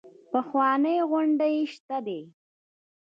پخوانۍ غونډۍ شته ده.